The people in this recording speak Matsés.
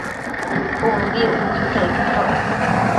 ubi ucbudtsenquioc